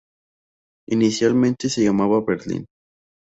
Inicialmente se llamaba Berlin.